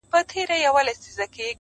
و مُلا ته، و پاچا ته او سره یې تر غلامه~